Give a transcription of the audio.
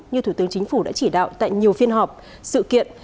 như thủ tướng chính phủ đã chỉ đạo tại nhiều phiên họp sự kiện